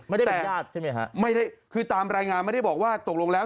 ไม่ได้เป็นญาติใช่ไหมฮะไม่ได้คือตามรายงานไม่ได้บอกว่าตกลงแล้ว